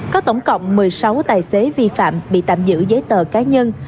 có tổng cộng một mươi sáu tài xế vi phạm bị tạm giữ giấy tờ cá nhân